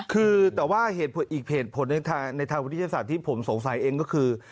คือแต่ว่าอีกเหตุผลหนึ่งในทางวิทยาศาสตร์ที่ผมสงสัยเองก็คือ